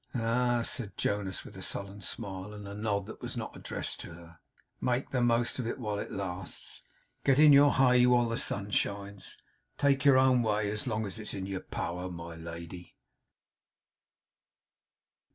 'Ah!' said Jonas, with a sullen smile, and a nod that was not addressed to her. 'Make the most of it while it lasts. Get in your hay while the sun shines. Take your own way as long as it's in your power, my lady!